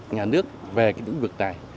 nhà nước về những việc này